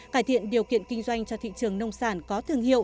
cải thiện điều kiện kinh doanh cho thị trường nông sản